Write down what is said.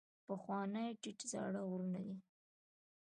پخواني ټیټ زاړه غرونه دي.